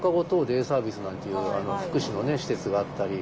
デイサービスなんていう福祉の施設があったり。